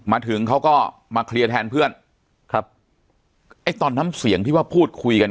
มาถึงเขาก็มาเคลียร์แทนเพื่อนครับไอ้ตอนน้ำเสียงที่ว่าพูดคุยกัน